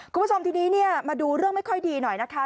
คุณผู้ชมทีนี้มาดูเรื่องไม่ค่อยดีหน่อยนะคะ